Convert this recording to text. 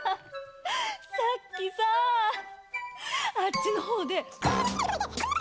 さっきさぁあっちのほうで。